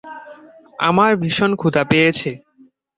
আমার ভীষণ ক্ষুধা পেয়েছে।